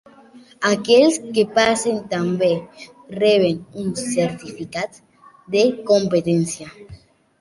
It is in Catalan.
Aquells que passen també reben un "Certificat de Competència".